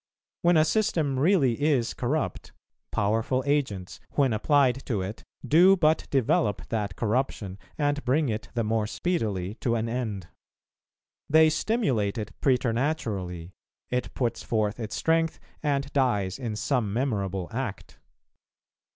When a system really is corrupt, powerful agents, when applied to it, do but develope that corruption, and bring it the more speedily to an end. They stimulate it preternaturally; it puts forth its strength, and dies in some memorable act.